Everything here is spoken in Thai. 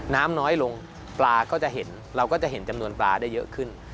น้ำน้อยลงปลาก็จะเห็นเราก็จะเห็นจำนวนปลาได้เยอะขึ้น